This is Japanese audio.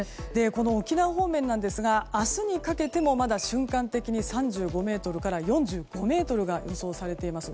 沖縄方面ですが明日にかけてもまだ瞬間的に３５メートルから４５メートルが予想されています。